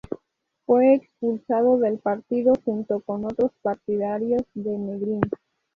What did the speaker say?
Fue expulsado del partido junto con otros partidarios de Negrín.